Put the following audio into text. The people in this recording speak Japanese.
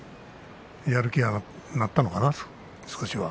やる気になったのかな、少しは。